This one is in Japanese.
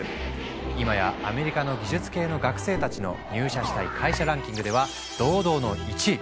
今やアメリカの技術系の学生たちの入社したい会社ランキングでは堂々の１位。